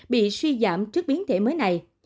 bị suy giảm trước biến thể mới này